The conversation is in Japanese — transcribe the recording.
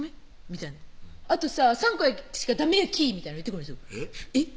みたいな「あとさ３個しかダメやき」みたいなん言ってくるんですよえっ？